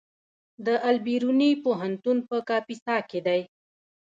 د البیروني پوهنتون په کاپیسا کې دی